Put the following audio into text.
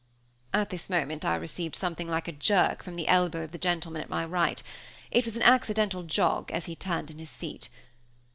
At this moment I received something like a jerk from the elbow of the gentleman at my right. It was an accidental jog, as he turned in his seat.